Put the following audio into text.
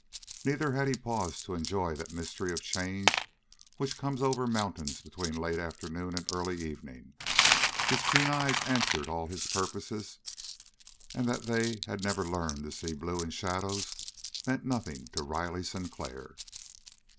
Neither had he paused to enjoy that mystery of change which comes over mountains between late afternoon and early evening. His keen eyes answered all his purposes, and that they had never learned to see blue in shadows meant nothing to Riley Sinclair.